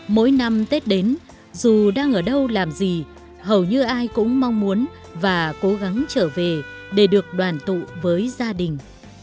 mỗi năm tết đến dù đang ở đâu làm gì hầu như ai cũng mong muốn và cố gắng trở về để được đoàn tụ với gia đình